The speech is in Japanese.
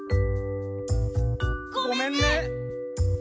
ごめんね！